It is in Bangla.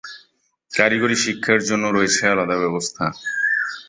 কারিগরি শিক্ষার জন্য রয়েছে আলাদা ব্যবস্থা।